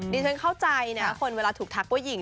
ฉันเข้าใจนะคนเวลาถูกทักว่าหญิง